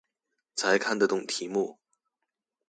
才看得懂題目